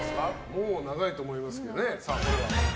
もう長いと思いますけど。